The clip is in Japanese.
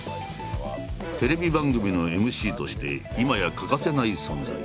テレビ番組のＭＣとしていまや欠かせない存在。